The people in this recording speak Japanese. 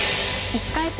１回戦